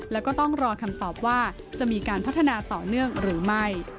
แล้วก็ต้องรอคำตอบว่าจะมีการพัฒนาต่อเนื่องหรือไม่